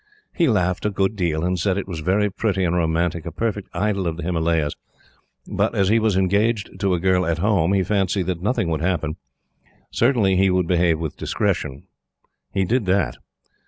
He laughed a good deal, and said it was very pretty and romantic, a perfect idyl of the Himalayas; but, as he was engaged to a girl at Home, he fancied that nothing would happen. Certainly he would behave with discretion. He did that.